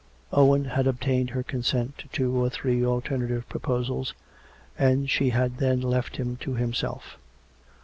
Owen had obtained her consent to two or three alternative proposals, and she had then left him to himself.